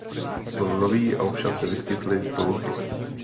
Byl nový a občas se vyskytly poruchy.